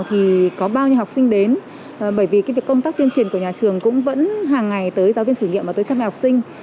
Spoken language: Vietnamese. thì có bao nhiêu học sinh đến bởi vì cái việc công tác tuyên truyền của nhà trường cũng vẫn hàng ngày tới giáo viên thử nghiệm và tới trang bài học sinh